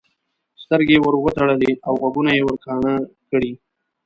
سترګې یې ورتړلې او غوږونه یې ورکاڼه کړي.